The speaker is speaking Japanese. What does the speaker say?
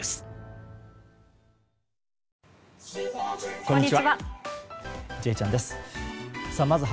こんにちは。